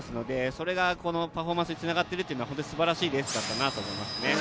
それが、このパフォーマンスにつながっているのはすばらしいレースだったなと思いますね。